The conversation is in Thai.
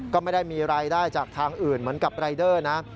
ก็ไม่ได้มีรายได้จากทางอื่นเหมือนกับรายเดอร์นะ